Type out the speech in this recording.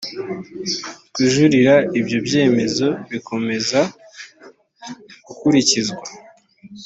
kujurira ibyo byemezo bikomeza gukurikizwa